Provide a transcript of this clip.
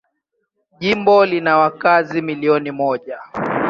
Jimbo lina wakazi milioni moja.